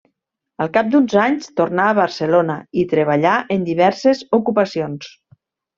Al cap d'uns anys tornà a Barcelona i treballà en diverses ocupacions.